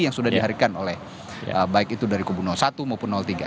yang sudah diharikan oleh baik itu dari kubu satu maupun tiga